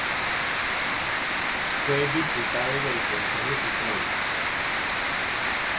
Fue diputado del Consejo Supremo.